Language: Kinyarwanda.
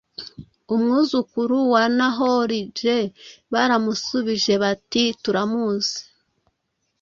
umwuzukuru wa Nahori j Baramusubiza bati turamuzi